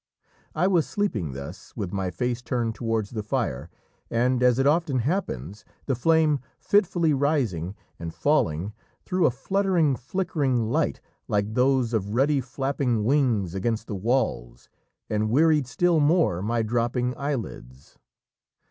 I was sleeping thus, with my face turned towards the fire, and as it often happens, the flame fitfully rising, and falling threw a fluttering, flickering light like those of ruddy flapping wings against the walls, and wearied still more my dropping eyelids.